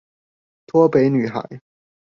脫北女孩